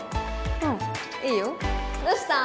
うんいいよどうした？